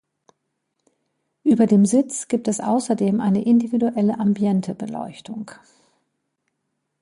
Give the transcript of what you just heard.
Über dem Sitz gibt es außerdem eine individuelle Ambiente-Beleuchtung.